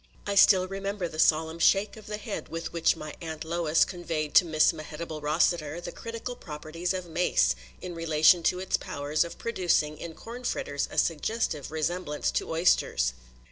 I still remember the solemn shake of the head with which my Aunt Lois conveyed to Miss Mehitable Rossiter the critical properties of mace, in relation to its powers of producing in corn fritters a suggestive resemblance to oysters.